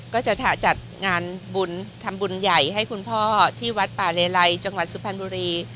ก็จะจัดงานบุญทำบุญใหญ่ให้คุณพ่อที่วัดป่าเลไลจังหวัดสุพรรณบุรี